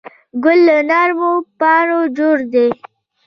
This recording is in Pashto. ګل له نرمو پاڼو جوړ دی.